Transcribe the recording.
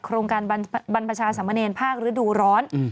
โครงการบรรพชาสามเณรภาคฤดูร้อน